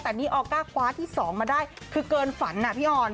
แต่นี่ออก้าคว้าที่๒มาได้คือเกินฝันนะพี่ออน